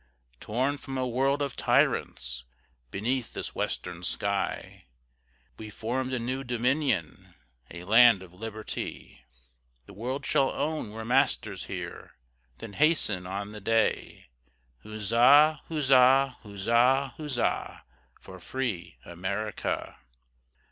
Torn from a world of tyrants, Beneath this western sky, We formed a new dominion, A land of liberty: The world shall own we're masters here; Then hasten on the day: Huzza, huzza, huzza, huzza, For free America.